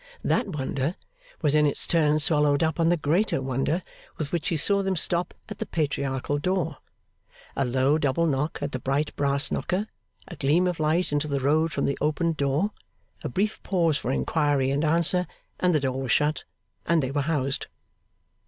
That wonder was in its turn swallowed up on the greater wonder with which he saw them stop at the Patriarchal door. A low double knock at the bright brass knocker, a gleam of light into the road from the opened door, a brief pause for inquiry and answer and the door was shut, and they were housed.